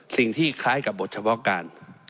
สิ่งที่คล้ายกับบทเฉพาะการ